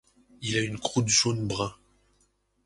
Il a une croûte jaune-brun.